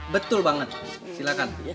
betul banget silahkan